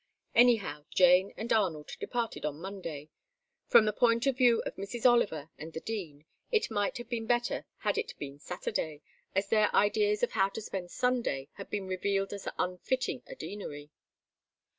Anyhow, Jane and Arnold departed on Monday. From the point of view of Mrs. Oliver and the Dean, it might have been better had it been Saturday, as their ideas of how to spend Sunday had been revealed as unfitting a Deanery.